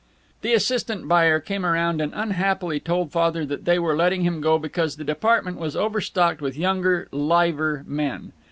The assistant buyer came around and unhappily told Father that they were letting him go because the department was overstocked with younger, liver men.